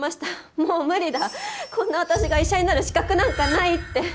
こんな私が医者になる資格なんかないって。